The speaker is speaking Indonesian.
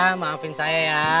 kitaguling esebel eh